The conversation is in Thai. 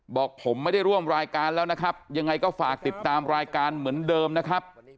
บอกผมไม่ได้ร่วมรายการแล้วนะครับยังไงก็ฝากติดตามรายการเหมือนเดิมนะครับ